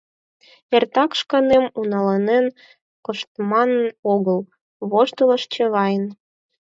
Эртак шканем уналанен коштман огыл, — воштылеш Чавайн.